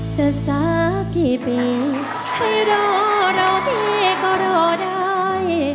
จะสักกี่ปีใครรอเราพี่ก็รอได้